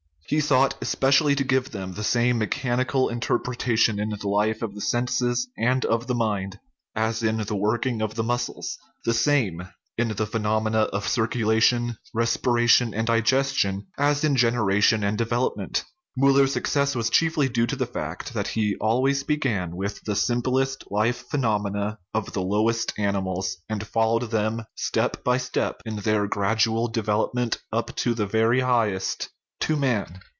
He sought especially to give them the same mechanical interpretation in the life of the senses and of the mind as in the working of the mus cles ; the same in the phenomena of circulation, res piration, and digestion as in generation and develop ment. Miiller ! s success was chiefly due to the fact 46 OUR LIFE that he always began with the simplest life phenomena of the lowest animals, and followed them step by step in their gradual development up to the very highest, to man.